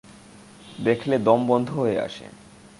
দেখলে দম বন্ধ হয়ে আসে।